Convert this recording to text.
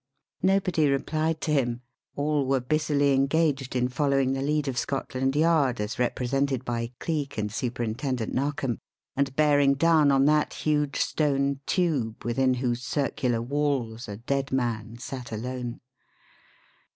Nobody replied to him. All were busily engaged in following the lead of Scotland Yard, as represented by Cleek and Superintendent Narkom, and bearing down on that huge stone tube within whose circular walls a dead man sat alone.